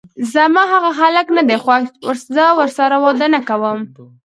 زما هغه هلک ندی خوښ، زه ورسره واده نکوم!